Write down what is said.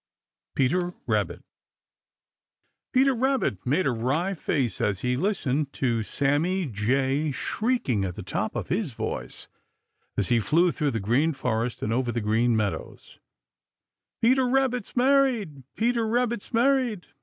Peter Rabbit. Peter Rabbit made a wry face as he listened to Sammy Jay shrieking at the top of his voice as he flew through the Green Forest and over the Green Meadows," Peter Rabbit's married!" "Peter Rabbit's married!"